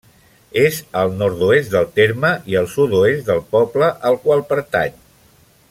És al nord-oest del terme i al sud-oest del poble al qual pertany.